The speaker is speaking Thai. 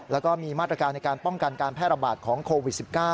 แล้วก็มีมาตรการในการป้องกันการแพร่ระบาดของโควิด๑๙